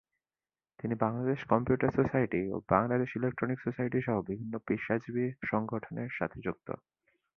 তিনি Bangladesh computer society ও Bangladesh electronic সোসাইটি-সহ বিভিন্ন পেশাজীবী সংগঠনের সাথে যুক্ত।